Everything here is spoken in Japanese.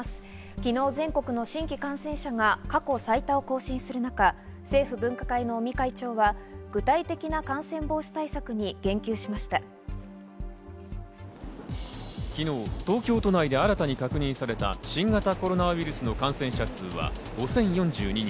昨日全国の新規感染者が過去最多を更新する中、政府分科会の尾身会長は具体的な感染防止昨日、東京都内で新たに確認された新型コロナウイルスの感染者数は５０４２人。